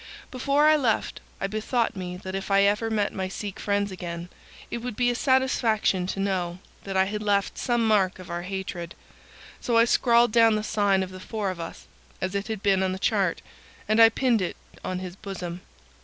Before I left I bethought me that if I ever met my Sikh friends again it would be a satisfaction to know that I had left some mark of our hatred; so I scrawled down the sign of the four of us, as it had been on the chart, and I pinned it on his bosom.